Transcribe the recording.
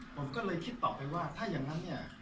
ผมก็เลยคิดต่อไปว่าถ้าอย่างนั้นเนี่ย